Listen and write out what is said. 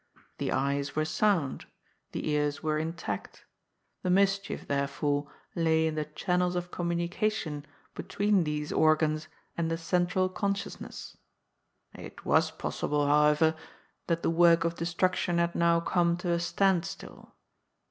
The eyes were sound ; the ears were intact, the mis chief therefore lay in the channels of communication be tween these organs and the central consciousness. It was possible, however, that the work of destruction had now come to a standstill.